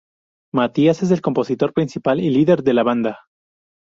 Mathias es el compositor principal y líder de la banda.